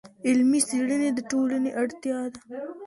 علمي څېړنې د ټولنې اړتیا ده.